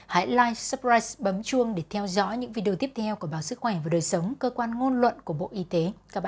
hãy live supprise bấm chuông để theo dõi những video tiếp theo của báo sức khỏe và đời sống cơ quan ngôn luận của bộ y tế